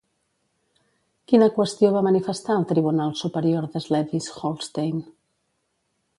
Quina qüestió va manifestar el tribunal superior de Slesvig-Holstein?